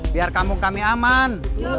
biar kampung kami aman